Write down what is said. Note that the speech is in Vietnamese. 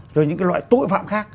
cho những cái loại tội phạm khác